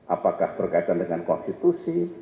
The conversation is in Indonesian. apakah berkaitan dengan konstitusi